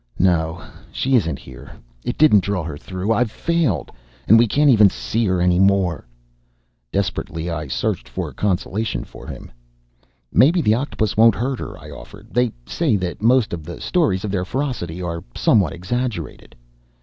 "No, she isn't here. It didn't draw her through. I've failed. And we can't even see her any more!" Desperately I searched for consolation for him. "Maybe the octopus won't hurt her," I offered. "They say that most of the stories of their ferocity are somewhat exaggerated."